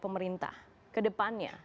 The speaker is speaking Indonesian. pemerintah ke depannya